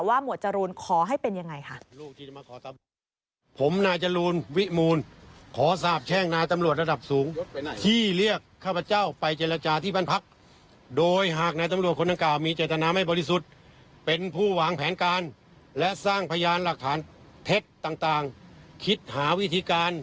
หมวดจรูนขอให้เป็นยังไงค่ะ